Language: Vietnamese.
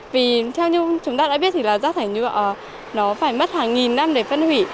vì theo như chúng ta đã biết thì là rác thải nhựa nó phải mất hàng nghìn năm để phân hủy